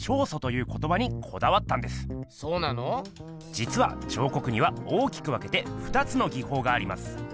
じつは彫刻には大きく分けてふたつの技法があります。